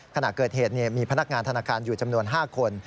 ขณะเกิดเหตุมีพนักงานธนาคารอยู่จำนวน๕คน